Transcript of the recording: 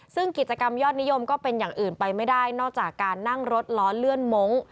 ซึ่งกิจกรรมยอดนิยมก็เป็นอย่างอื่นไปไม่ได้นอกจากการนั่งรถล้อเลื่อนมงค์